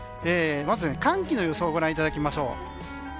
まず、寒気の予想をご覧いただきましょう。